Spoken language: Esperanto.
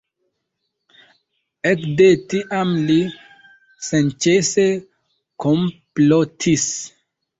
Ekde tiam li senĉese komplotis.